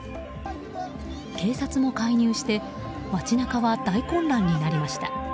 警察も介入して街中は大混乱になりました。